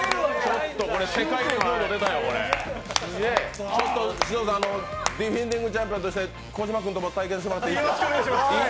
ちょっとこれ、世界記録出たよ、ディフェンディングチャンピオンとして小島君と対決してもらっていいですか